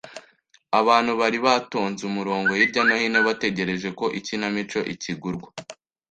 Abantu bari batonze umurongo hirya no hino bategereje ko ikinamico ikingurwa.